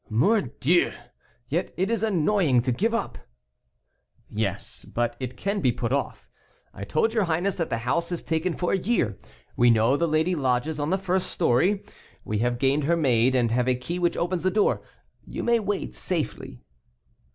"Mordieu! yet it is annoying to give up." "Yes; but it can be put off. I told your highness that the house is taken for a year; we know the lady lodges on the first story. We have gained her maid, and have a key which opens the door: you may wait safely."